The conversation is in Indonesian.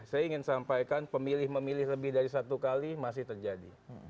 saya ingin sampaikan pemilih memilih lebih dari satu kali masih terjadi